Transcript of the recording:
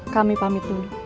kami pamit dulu